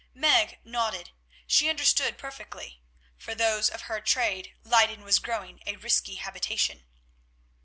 Meg nodded. She understood perfectly; for those of her trade Leyden was growing a risky habitation.